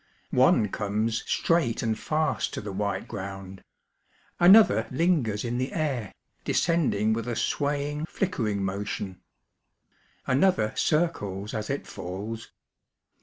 One comes straight imd fast to the white ground ; imother lingers in the air, descending with a swaying, flickering motion ; another circles as it falls.